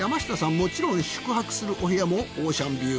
もちろん宿泊するお部屋もオーシャンビュー！